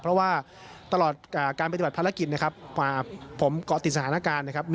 เพราะว่าตลอดการปฏิบัติภารกิจผมเกาะติดสถานการณ์